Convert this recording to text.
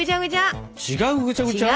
違うぐちゃぐちゃ！